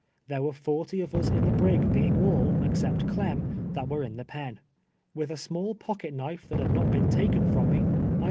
There were forty ol" us in the brig , bein^ all, e\ee})t Clem, that were in {lie pen. AVith a small pocket knife that had not heen taken from me, I l»eiJ!